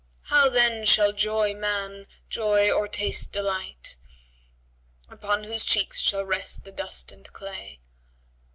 [FN#84] How then shall 'joy man joy or taste delight, * Upon whose cheeks shall rest the dust and clay?'"